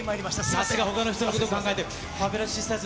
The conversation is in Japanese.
さすが、ほかの人のことを考えて。